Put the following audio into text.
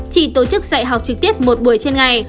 chỉ tổ chức dạy học trực tiếp một buổi trên ngày